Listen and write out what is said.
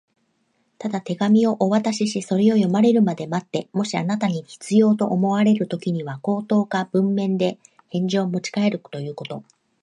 「ただ手紙をお渡しし、それを読まれるまで待って、もしあなたに必要と思われるときには、口頭か文面で返事をもちかえるということだけです」